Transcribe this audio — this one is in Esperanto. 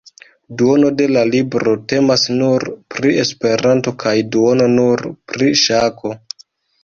Duono de la libro temas nur pri Esperanto kaj duono nur pri ŝako.